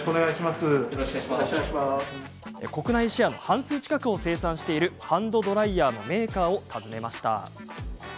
国内シェアの半数近くを生産しているハンドドライヤーのメーカーを訪ねました。